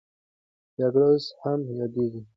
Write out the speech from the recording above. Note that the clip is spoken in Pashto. جګړه اوس هم یادېږي.